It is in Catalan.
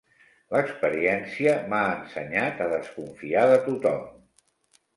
L'experiència m'ha ensenyat a desconfiar de tothom.